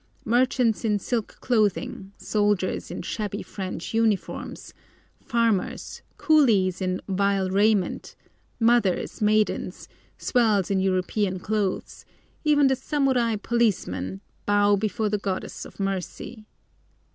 Merchants in silk clothing, soldiers in shabby French uniforms, farmers, coolies in "vile raiment," mothers, maidens, swells in European clothes, even the samurai policemen, bow before the goddess of mercy.